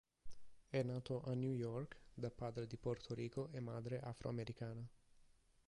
È nato a New York da padre di Porto Rico e madre afroamericana.